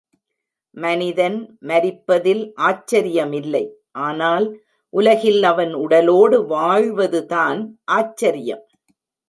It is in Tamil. மனிதன் மரிப்பதில் ஆச்சரியமில்லை ஆனால் உலகில் அவன் உடலோடு வாழ்வது தான் ஆச்சரியம்.